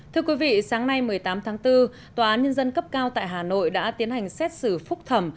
thưa quý vị sáng nay một mươi tám tháng bốn tòa án nhân dân cấp cao tại hà nội đã tiến hành xét xử phúc thẩm